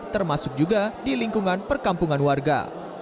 termasuk juga di lingkungan perkampungan warga